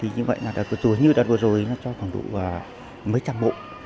như đợt vừa rồi cho khoảng độ mấy trăm bộ